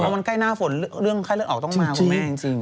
มันใกล้หน้าฝนเรื่องไข้เลือดออกต้องมาคุณแม่จริง